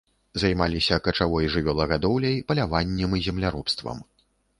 Займаліся качавой жывёлагадоўляй, паляваннем і земляробствам.